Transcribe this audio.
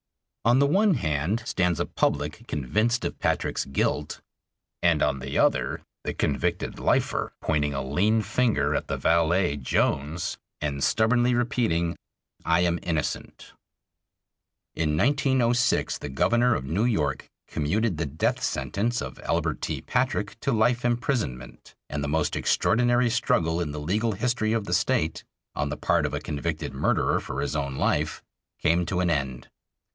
On the one hand stands a public convinced of Patrick's guilt, and on the other the convicted "lifer" pointing a lean finger at the valet Jones and stubbornly repeating, "I am innocent." [Footnote 4: In 1906 the Governor of New York commuted the death sentence of Albert T. Patrick to life imprisonment, and the most extraordinary struggle in the legal history of the State on the part of a convicted murderer for his own life came to an end.